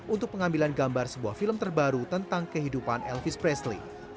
untuk pengambilan gambar sebuah film terbaru tentang kehidupan elvis presley